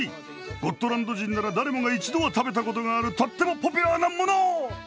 ゴットランド人なら誰もが一度は食べたことがあるとってもポピュラーなもの！